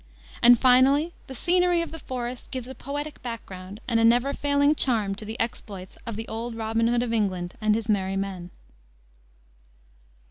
And finally the scenery of the forest gives a poetic background and a never failing charm to the exploits of "the old Robin Hood of England" and his merry men.